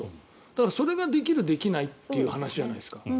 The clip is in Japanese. だから、それができる、できないという話じゃないですか。